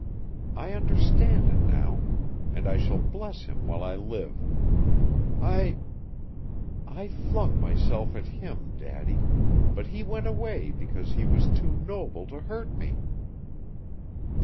I understand it now, and I shall bless him while I live. I I flung myself at him, Daddy, but he went away because he was too noble to hurt me!"